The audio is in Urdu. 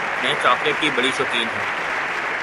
میں چاکلیٹ کی بڑی شوقین ہوں۔